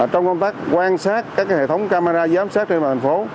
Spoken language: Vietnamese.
trong công tác quan sát các hệ thống camera giám sát trên đoàn thành phố